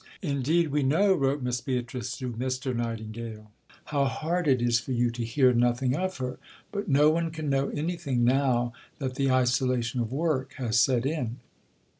"Indeed we know," wrote Miss Beatrice to Mr. Nightingale, "how hard it is for you to hear nothing of her, but no one can know anything now that the isolation of work has set in."